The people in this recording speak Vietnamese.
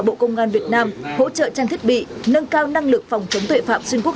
bộ công an việt nam hỗ trợ trang thiết bị nâng cao năng lực phòng chống tuệ phạm xuyên quốc